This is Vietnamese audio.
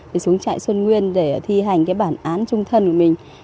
để xuống trại xuân nguyên để thi hành cái bản án trung thân của mình